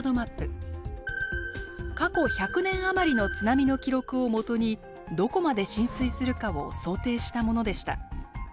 過去１００年余りの津波の記録を基にどこまで浸水するかを想定したものでした。